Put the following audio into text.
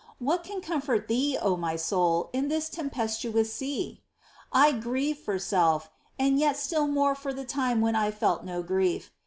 What can comfort thee, O my soul, in this tempestuous sea ? I grieve for self, and yet still more for the time when I felt no grief.